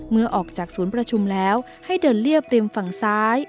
เมื่อออกจากศูนย์ประชุมแล้วให้เดินเรียบริมฝั่งซ้าย